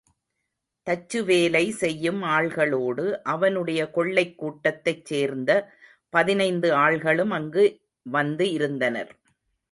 தச்சுவேலை செய்யும் ஆள்களோடு அவனுடைய கொள்ளைக்கூட்டத்தைச் சேர்ந்த பதினைந்து ஆள்களும் அங்கு வந்து இருந்தனர்.